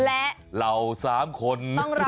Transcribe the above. และเราสามคน